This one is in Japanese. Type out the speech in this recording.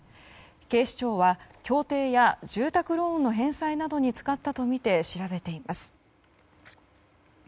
警視庁は競艇や住宅ローンの返済などに使ったとみて調べています。